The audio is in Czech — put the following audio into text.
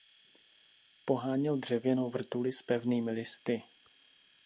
Poháněl dřevěnou vrtuli s pevnými listy.